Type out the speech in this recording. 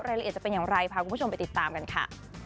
รายละเอียดจะเป็นอย่างไรพาคุณผู้ชมไปติดตามกันค่ะ